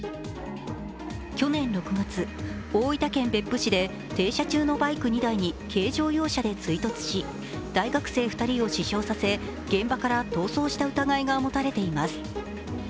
去年６月、大分県別府市で停車中のバイク２台に軽乗用車で追突し大学生２人を死傷させ、現場から逃走した疑いが持たれています。